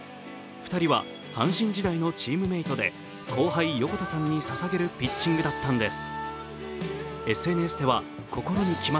２人は阪神時代のチームメイトで後輩・横田さんに捧げるピッチングだったんです。